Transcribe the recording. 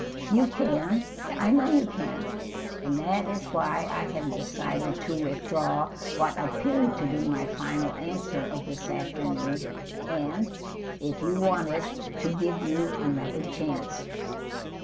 You can I know you can and that is why I have decided to withdraw what appeared to be my final answer of this afternoon, and, if you want it, to give you another chance.